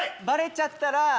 バレちゃったら。